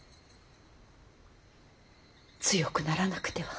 強くならなくては。